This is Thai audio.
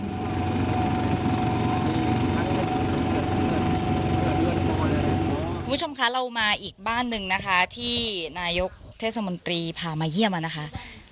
คุณผู้ชมคะเรามาอีกบ้านหนึ่งนะคะที่นายกเทศมนตรีพามาเยี่ยมนะคะ